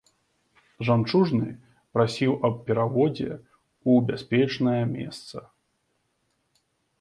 Жамчужны прасіў аб пераводзе ў бяспечнае месца.